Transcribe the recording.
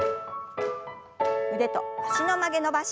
腕と脚の曲げ伸ばし。